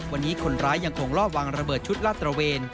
วันนี้คนร้ายยังคงลอบวางระเบิดชุดลาดตระเวน